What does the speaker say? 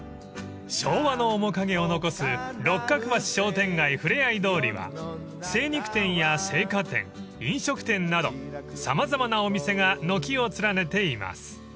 ［昭和の面影を残す六角橋商店街ふれあい通りは精肉店や青果店飲食店など様々なお店が軒を連ねています］